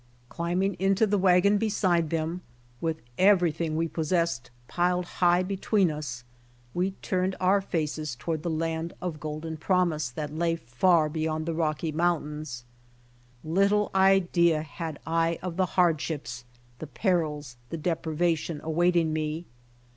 Climbing into the THE START Y wagon beside them, with everything we possessed piled high behind us, we turned our faces toward the land of golden promise, that lay far beyond the Rocky mountains. Little idea had I of the hardships, the perils, the deprivation awaiting me.